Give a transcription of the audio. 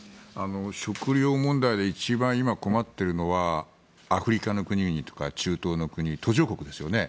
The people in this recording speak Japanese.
食料問題で一番、今困っているのはアフリカの国々とか中東の国途上国ですよね。